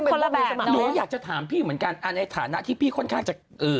คุณแม่อยากจะถามพี่เหมือนกันในฐานะที่พี่ค่อนข้างจะ